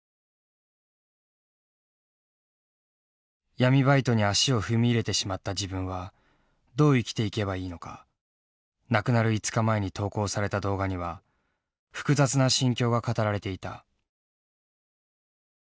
闇バイトに足を踏み入れてしまった自分はどう生きていけばいいのか亡くなる５日前に投稿された動画には複雑な心境が語られていた。